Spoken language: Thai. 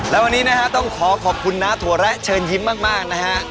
แล้ววันนี้นะฮะต้องขอขอบคุณน้าถั่วแระเชิญยิ้มมากนะฮะ